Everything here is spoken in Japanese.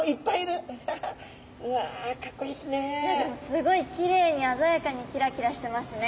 すごいきれいにあざやかにキラキラしてますね。